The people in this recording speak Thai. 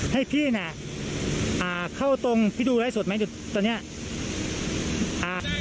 ให้พี่เนี้ยอ่าเข้าตรงพี่ดูอะไรสุดไหมตอนเนี้ยอ่า